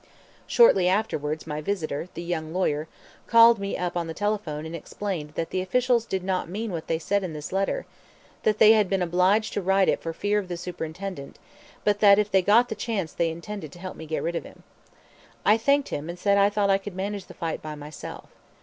Shortly afterwards my visitor, the young lawyer, called me up on the telephone and explained that the officials did not mean what they had said in this letter, that they had been obliged to write it for fear of the Superintendent, but that if they got the chance they intended to help me get rid of him. I thanked him and said I thought I could manage the fight by myself.